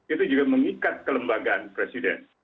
itu juga mengikat kelembagaan presiden